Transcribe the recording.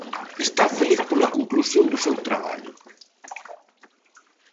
Está feliz pola conclusión do seu traballo.